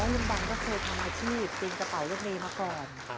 ลุงดำก็เคยทำอาชีพตีนกระเป๋ารถเมย์มาก่อน